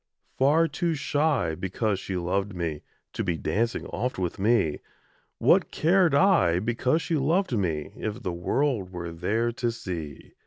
Far too shy, because she loved me, To be dancing oft with me; What cared I, because she loved me, If the world were there to see?